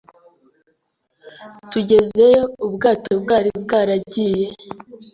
Tugezeyo, ubwato bwari bwaragiye.